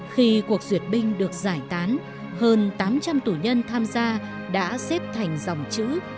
khi cuộc duyệt binh được giải tán hơn tám trăm linh tù nhân tham gia đã xếp thành dòng chữ